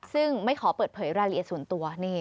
ซึ่งไม่ขอเปิดเผยรายละเอียดส่วนตัว